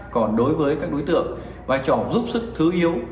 còn đối với các đối tượng vai trò giúp sức thứ yếu